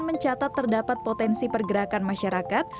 mencatat terdapat potensi pergerakan masyarakat